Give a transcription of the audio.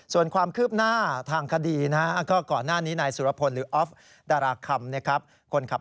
ส่วนความคืบหน้าทางคดีก่อนหน้านี้นายสุรพลหรืออลรค์ธาราคม